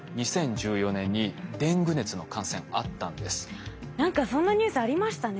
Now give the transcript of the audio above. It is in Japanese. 実は何かそんなニュースありましたね。